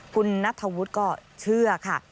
คุณนัทธวุฒิก็เชื่อค่ะ